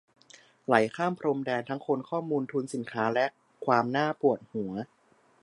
ไหลข้ามพรมแดน ทั้งคน ข้อมูล ทุน สินค้า และความน่าปวดหัว